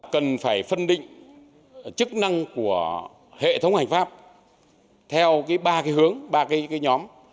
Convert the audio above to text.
cần phải phân định chức năng của hệ thống hành pháp theo ba hướng ba nhóm